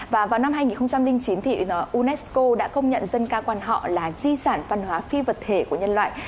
và vào năm hai nghìn chín thì unesco đã công nhận dân ca quan họ là di sản văn hóa phi vật thể của nhân loại